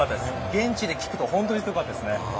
現地で聞くと本当にすごかったですね。